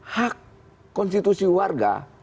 hak konstitusi warga